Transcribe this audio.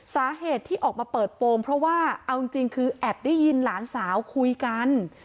สาเหตุที่ออกมาเปิดโปรงเพราะว่าเอาจริงคือแอบได้ยินหลานสาวคุยกัน